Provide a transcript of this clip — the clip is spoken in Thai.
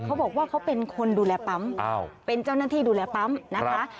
เขาบอกว่าเขาเป็นคนดูแลปั๊มเป็นเจ้าหน้าที่ดูแลปั๊มนะคะ